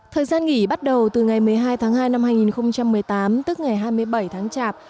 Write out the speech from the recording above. thời gian nghỉ bắt đầu từ ngày một mươi hai tháng hai năm hai nghìn một mươi tám tức ngày hai mươi bảy tháng chạp